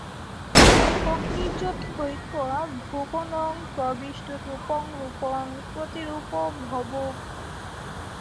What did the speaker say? অগ্নির্যথৈকো ভুবনং প্রবিষ্টো রূপং রূপং প্রতিরূপো বভূব।